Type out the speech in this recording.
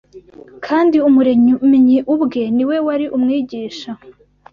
kandi Umuremyi ubwe ni we wari Umwigisha